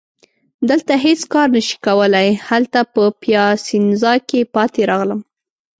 دلته هیڅ کار نه شي کولای، هلته په پیاسینزا کي پاتې راغلم.